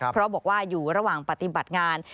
เพราะบอกว่าอยู่ระหว่างปฏิบัติงาน